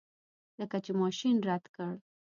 لکه چې ماشین رد کړ.